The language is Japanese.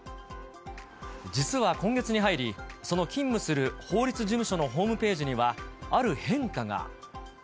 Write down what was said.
実は今月に入り、その勤務する法律事務所のホームページには、ある変化が。